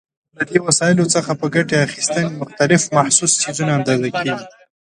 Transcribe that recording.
له دې وسایلو څخه په ګټې اخیستنې مختلف محسوس څیزونه اندازه کېږي.